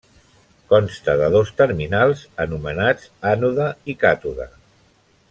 Consta de dos terminals, anomenats ànode i càtode.